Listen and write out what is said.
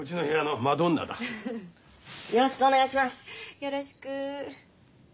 よろしく。